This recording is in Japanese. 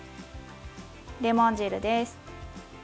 レモン汁です。